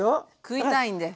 食いたいんで。